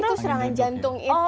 itu serangan jantung itu